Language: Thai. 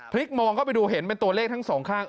มองเข้าไปดูเห็นเป็นตัวเลขทั้งสองข้าง